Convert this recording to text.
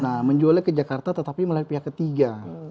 nah menjualnya ke jakarta tetapi melalui pihak ketiga